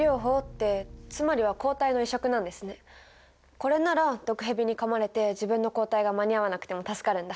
これなら毒蛇にかまれて自分の抗体が間に合わなくても助かるんだ。